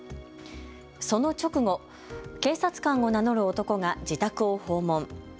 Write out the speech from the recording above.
その直後、警察官を名乗る男が自宅を訪問。